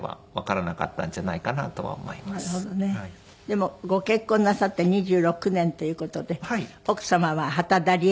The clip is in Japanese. でもご結婚なさって２６年という事で。